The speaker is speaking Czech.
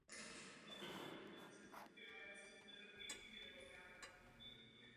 Po zrušení řádu přešel kostel na studijní fond.